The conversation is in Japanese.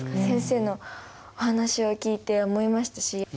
先生のお話を聞いて思いましたし。